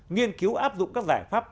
nghiên cứu áp dụng các giải pháp